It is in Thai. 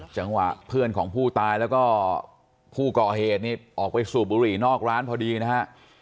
จังหวะเพื่อนของผู้ตายแล้วก็ผู้ก่อเหตุนี่ออกไปสูบบุหรี่นอกร้านพอดีนะฮะ